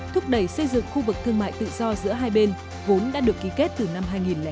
thúc đẩy xây dựng khu vực thương mại tự do giữa hai bên vốn đã được ký kết từ năm hai nghìn hai